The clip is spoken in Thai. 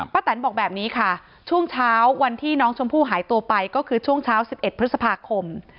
แตนบอกแบบนี้ค่ะช่วงเช้าวันที่น้องชมพู่หายตัวไปก็คือช่วงเช้า๑๑พฤษภาคม